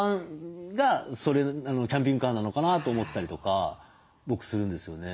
キャンピングカーなのかなと思ってたりとか僕するんですよね。